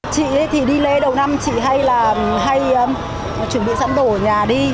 chị thì đi lễ đầu năm chị hay chuẩn bị sẵn đồ ở nhà đi